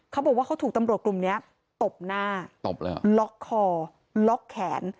เขาบอกว่าเขาถูกตำรวจกลุ่มนี้ตบหน้าตบเลยเหรอล็อกคอล็อกแขน